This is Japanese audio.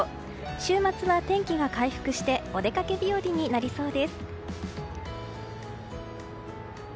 週末は天気が回復してお出かけ日和になりそうです。